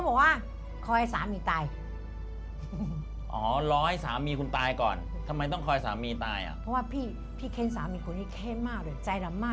บางทีพระเอกหล่อนะ